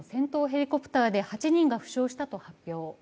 ヘリコプターで８人が負傷したと発表。